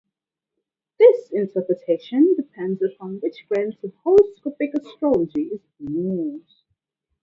This interpretation depends upon which branch of horoscopic astrology is being used...